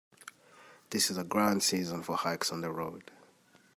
This is a grand season for hikes on the road.